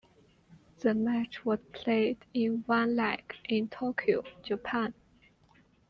The match was played in one leg in Tokyo, Japan.